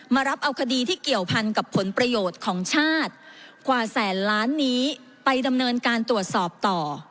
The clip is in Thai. มารับเอาคดีที่เกี่ยวพันกับผลประโยชน์ของชาติกว่าแสนล้านนี้ไปดำเนินการตรวจสอบต่อ